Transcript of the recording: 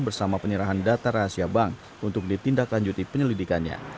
bersama penyerahan data rahasia bank untuk ditindaklanjuti penyelidikannya